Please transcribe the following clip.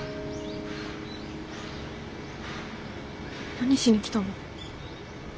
何しに来たの？